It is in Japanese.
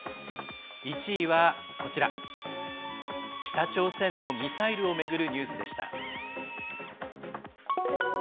１位は、北朝鮮のミサイルを巡るニュースでした。